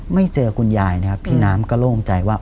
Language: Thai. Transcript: ไม่เจอคุณยายนะครับพี่น้ำก็โล่งใจว่า